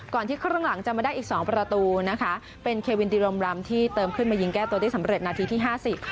ที่ครึ่งหลังจะมาได้อีกสองประตูนะคะเป็นเควินดิรมรำที่เติมขึ้นมายิงแก้ตัวได้สำเร็จนาทีที่ห้าสิบ